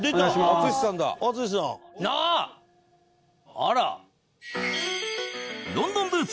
あら！